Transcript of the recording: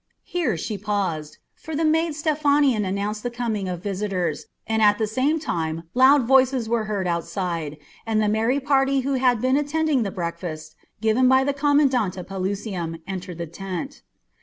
Here she paused, for the maid Stephanion announced the coming of visitors, and at the same time loud voices were heard outside, and the merry party who had been attending the breakfast given by the commandant of Pelusium entered the tent.